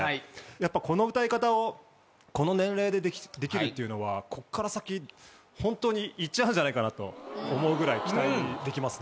やっぱこの歌い方をこの年齢でできるっていうのはここから先本当にいっちゃうんじゃないかなと思うぐらい期待できますね。